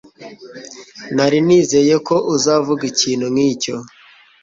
Nari nizeye ko uzavuga ikintu nkicyo